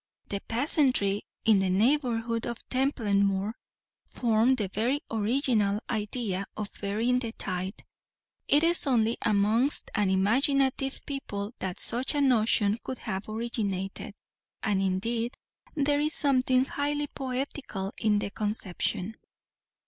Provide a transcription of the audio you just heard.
The peasantry in the neighbourhood of Templemore formed the very original idea of burying the tithe. It is only amongst an imaginative people that such a notion could have originated; and indeed there is something highly poetical in the conception.